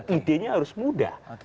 ide nya harus muda